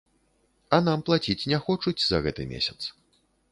А нам плаціць не хочуць за гэты месяц.